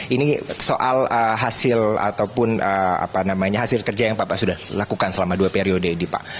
ini soal hasil ataupun hasil kerja yang bapak sudah lakukan selama dua periode ini pak